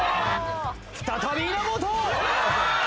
再び稲本！